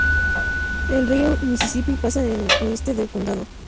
El río Misisipi pasa al oeste del condado.